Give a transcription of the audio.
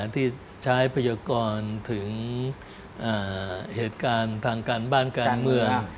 ที่ใช้พยากรถึงเหตุการณ์ทางการบ้านการเมือง